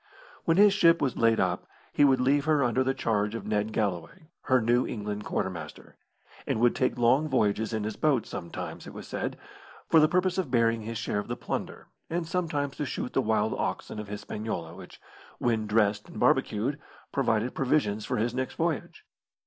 When his ship was laid up he would leave her under the charge of Ned Galloway her New England quartermaster and would take long voyages in his boat, sometimes, it was said, for the purpose of burying his share of the plunder, and sometimes to shoot the wild oxen of Hispaniola, which, when dressed and barbecued, provided provisions for his next voyage.